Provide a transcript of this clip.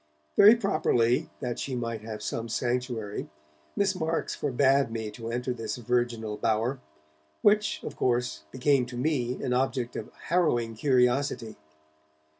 Very properly, that she might have some sanctuary, Miss Marks forbade me to enter this virginal bower, which, of course, became to me an object of harrowing curiosity.